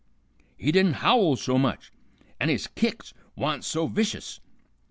He didn't howl so much, and his kicks wa'n't so vicious.